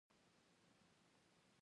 شېرګل د ماريا د ستړيا پام وکړ.